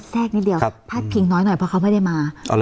แรกนิดเดียวพาดพิงน้อยหน่อยเพราะเขาไม่ได้มา